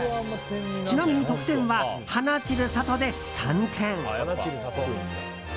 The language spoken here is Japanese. ちなみに得点は、花散里で３点。